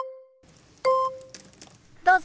どうぞ。